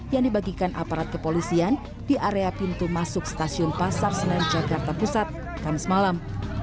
yang dibagikan aparat kepolisian di area pintu masuk stasiun pasar senen jakarta pusat kamis malam